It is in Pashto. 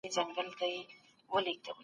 هغه اجناس او خدمات رفاه بولي.